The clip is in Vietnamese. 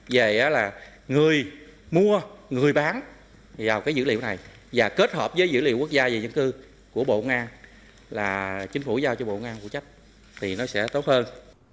về là người mua người bán vào cái dữ liệu này và kết hợp với dữ liệu quốc gia về dân cư của bộ nga là chính phủ giao cho bộ ngang phụ trách thì nó sẽ tốt hơn